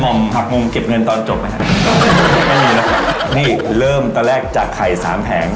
่อมหักมุมเก็บเงินตอนจบไหมครับไม่มีแล้วครับนี่เริ่มตอนแรกจากไข่สามแผง